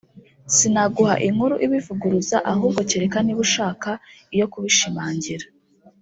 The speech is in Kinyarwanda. sinaguha inkuru ibivuguruza ahubwo kereka niba ushaka iyo kubishimangira